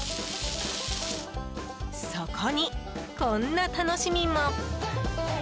そこに、こんな楽しみも。